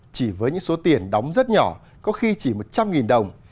chỉ với những số tiền đóng rất nhỏ có khi chỉ một trăm linh đồng